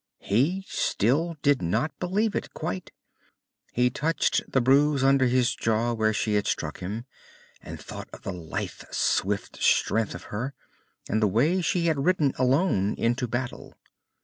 He still did not believe it, quite. He touched the bruise under his jaw where she had struck him, and thought of the lithe, swift strength of her, and the way she had ridden alone into battle.